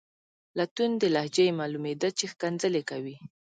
له توندې لهجې یې معلومیده چې ښکنځلې کوي.